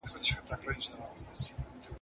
مغول په تېرو وختونو کي ډېر ځواکمن وو.